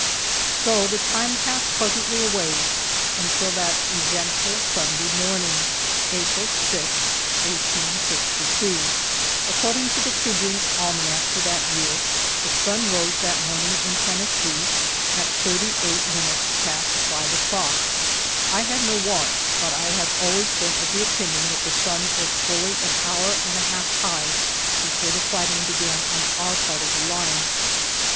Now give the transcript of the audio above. So the time passed pleasantly away until that eventful Sunday morning, April 6, 1862. According to the Tribune Almanac for that year, the sun rose that morning in Tennessee at 38 minutes past five o'clock. I had no watch, but I have always been of the opinion that the sun was fully an hour and a half high before the fighting began on our part of the line.